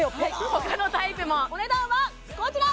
他のタイプもお値段はこちら！